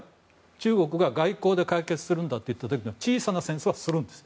中国が外交で解決するんだといった時には小さな戦争はするんです。